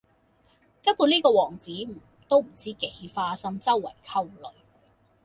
根本呢個王子都不知幾花心,周圍溝女